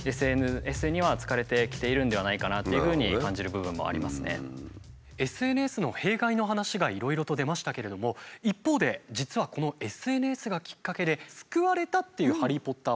僕自身もそうですけどもＳＮＳの弊害の話がいろいろと出ましたけれども一方で実はこのＳＮＳがきっかけで救われたっていう「ハリー・ポッター」ファンもいるんです。